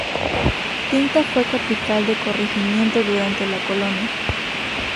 Tinta fue capital de Corregimiento durante la Colonia.